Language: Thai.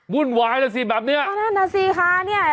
มุ่นวายแล้วสิแบบเนี่ย